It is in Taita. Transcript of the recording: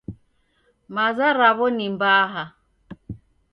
Maza raw'o ni mbaha